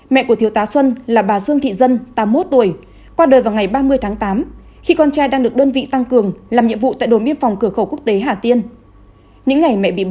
mẹ của thiếu tá xuân là bà dương thị dân tám mươi một tuổi qua đời vào ngày ba mươi tháng tám khi con trai đang được đơn vị tăng cường làm nhiệm vụ tại đồn biên phòng cửa khẩu quốc tế hà tiên